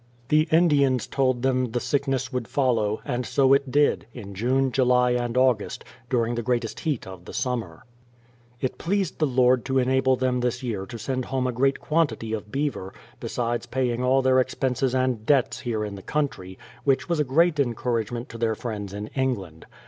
The Indians told them the sickness would follow, and so it did, in June, July, and August, during the greatest heat of the summer. It pleased the Lord to enable them this year to send home a great quantity of beaver, besides paying all their expenses and debts here in the country, which was a great encouragement to their friends in England.